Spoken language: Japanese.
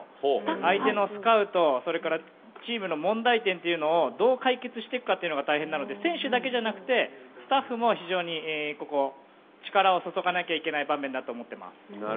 相手のスカウトそれから、チームの問題点をどう解決していくかのが大変なので選手だけじゃなくてスタッフも非常にここ、力を注がなきゃいけない場面だと思っています。